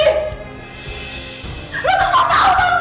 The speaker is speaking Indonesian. lo tuh sok tau nang